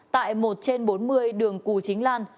tại một trên bốn mươi đường cù chính lan